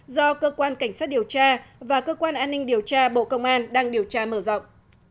do cơ quan cảnh sát điều tra và cơ quan an ninh điều tra bộ công an đang điều tra mở rộng